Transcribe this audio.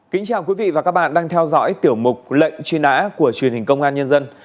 kính chào quý vị và các bạn đang theo dõi tiểu mục lệnh truy nã của truyền hình công an nhân dân